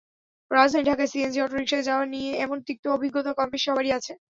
রাজধানী ঢাকায় সিএনজি অটোরিকশায় যাওয়া নিয়ে এমন তিক্ত অভিজ্ঞতা কমবেশি সবারই আছে।